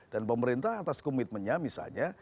dan pemerintah atas komitmennya misalnya